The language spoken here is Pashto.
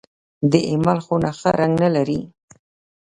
د اېمل خونه ښه رنګ نه لري .